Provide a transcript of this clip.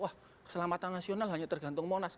wah keselamatan nasional hanya tergantung monas